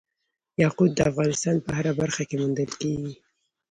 یاقوت د افغانستان په هره برخه کې موندل کېږي.